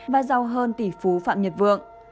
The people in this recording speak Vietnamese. và giàu hơn tỷ phú phạm nhật vượng